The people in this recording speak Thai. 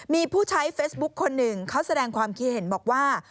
มีผู้ใช้เฟซบุ๊คคนหนึ่งเขาแสดงความคิดเห็นบอกว่า